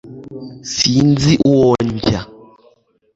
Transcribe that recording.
sinzi uwo njya